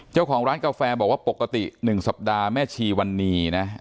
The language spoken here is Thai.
เจ้าของร้านกาแฟบอกว่าปกติ๑สัปดาห์แม่ชีวันนี้นะ